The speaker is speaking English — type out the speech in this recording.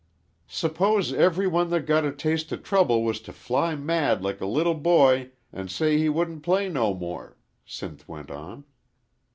"Suppose every one that got a taste o' trouble was t' fly mad like a little boy an' say he wouldn't play no more," Sinth went on.